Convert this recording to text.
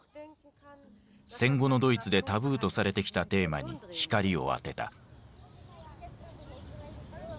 戦後のドイツでタブーとされてきたテーマに光を当てた。